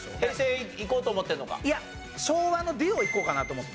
いや昭和のデュオいこうかなと思って。